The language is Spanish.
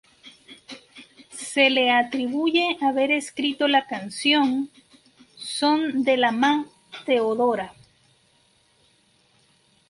Se le atribuye haber escrito la canción "Son de la Má Teodora".